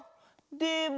でも。